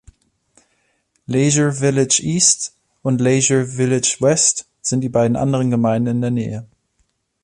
Leisure Village East und Leisure Village West sind die beiden anderen Gemeinden in der Nähe.